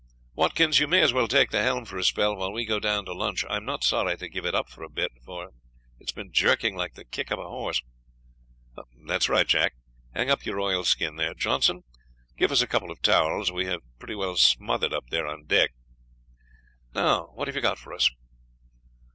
"Watkins, you may as well take the helm for a spell, while we go down to lunch. I am not sorry to give it up for a bit, for it has been jerking like the kick of a horse. "That's right, Jack, hang up your oilskin there. Johnson, give us a couple of towels; we have been pretty well smothered up there on deck. Now what have you got for us?"